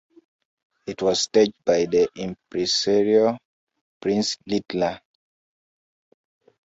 It was staged by the impresario Prince Littler.